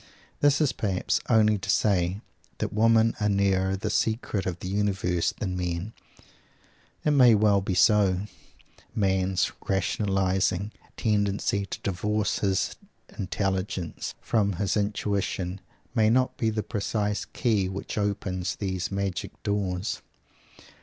This is perhaps only to say that women are nearer the secret of the universe than men. It may well be so. Man's rationalizing tendency to divorce his intelligence from his intuition may not be the precise key which opens those magic doors!